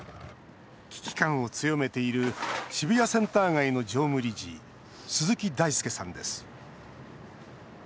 危機感を強めている渋谷センター街の常務理事鈴木大輔さんです。